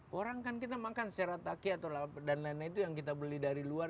orang kan kita makan secara takke atau dan lain lain itu yang kita beli dari luar